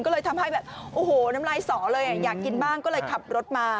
ก็เลยทำให้แบบโอ้โหน้ำลายสอเลยอยากกินบ้างก็เลยขับรถมา